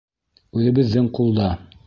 Үҙебеҙҙең ҡулда.